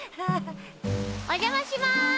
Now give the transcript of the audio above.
おじゃまします。